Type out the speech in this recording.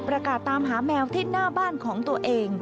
ประกาศตามหาแมวที่หน้าบ้านของตัวเอง